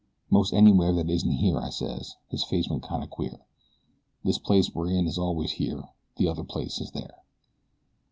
"Most anywhere that isn't here," I says. His face went kind of queer. "The place we're in is always here. The other place is there."